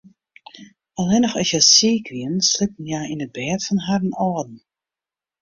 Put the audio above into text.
Allinnich as hja siik wiene, sliepten hja yn it bêd fan harren âlden.